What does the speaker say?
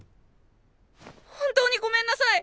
本当にごめんなさい！